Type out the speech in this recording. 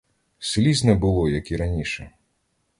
Сліз не було, як і раніше.